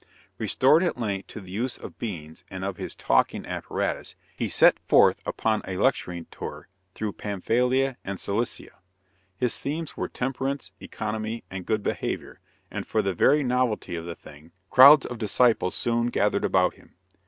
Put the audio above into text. Restored at length to the use of beans and of his talking apparatus, he set forth upon a lecturing tour through Pamphylia and Cilicia. His themes were temperance, economy, and good behavior, and for the very novelty of the thing, crowds of disciples soon gathered about him.